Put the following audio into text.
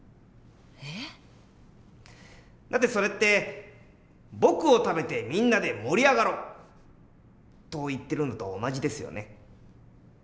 えっ？だってそれって「僕を食べてみんなで盛り上がろう」と言ってるのと同じですよね。